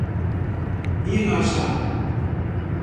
Inajá